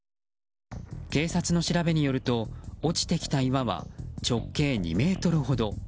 警察の調べによると落ちてきた岩は直径２ｍほど。